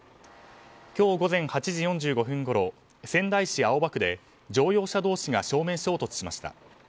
今日午前８時４５分ごろ仙台市青葉区で乗用車同士が正面衝突しました。